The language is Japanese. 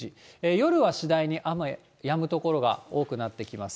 夜は次第に雨やむ所が多くなってきます。